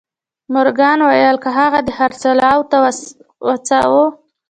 مورګان وویل که هغه دې خرڅلاو ته وهڅاوه